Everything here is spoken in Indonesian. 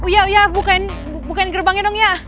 ya iya iya bukain gerbangnya dong ya